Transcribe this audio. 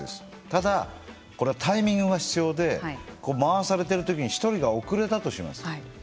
ただ、これはタイミングが必要で回されている時に１人が遅れたとします。